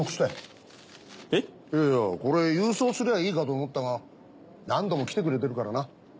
いやこれ郵送すりゃいいかと思ったが何度も来てくれてるからな。